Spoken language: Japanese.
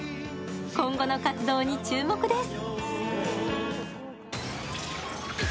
今後の活動に注目です。